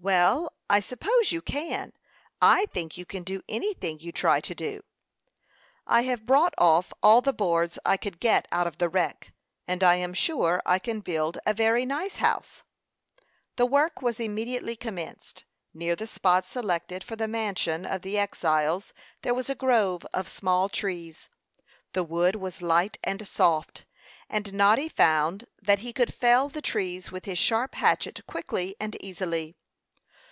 "Well, I suppose you can. I think you can do anything you try to do." "I have brought off all the boards I could get out of the wreck, and I am sure I can build a very nice house." The work was immediately commenced. Near the spot selected for the mansion of the exiles there was a grove of small trees. The wood was light and soft, and Noddy found that he could fell the trees with his sharp hatchet quickly and easily.